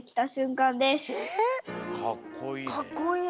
かっこいいね。